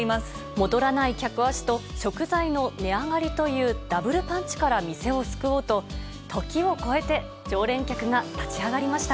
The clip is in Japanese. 戻らない客足と食材の値上がりというダブルパンチから店を救おうと、時を超えて、常連客が立ち上がりました。